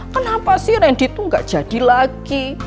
kenapa sih rendy tuh gak jadi lagi